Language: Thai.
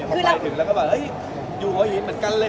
พอไปถึงแล้วก็แบบเฮ้ยอยู่หัวหินเหมือนกันเลย